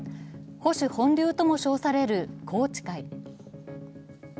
保守本流とも称される宏池会。